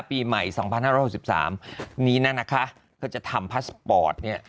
ปีใหม่สองพันห้าร้อยสิบสามนี้น่ะนะคะก็จะทำพัสปอร์ตเนี่ย